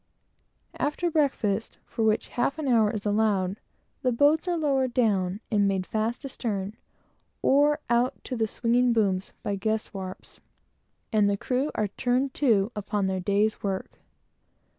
After breakfast, for which half an hour is allowed, the boats are lowered down, and made fast astern, or out to the swinging booms, by ges warps, and the crew are turned to upon their day's work.